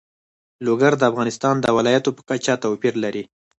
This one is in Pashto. لوگر د افغانستان د ولایاتو په کچه توپیر لري.